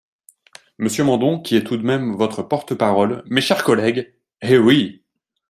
Monsieur Mandon qui est tout de même votre porte-parole, mes chers collègues, Eh oui